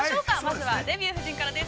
まずは「デビュー夫人」からです。